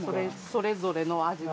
それぞれの味が。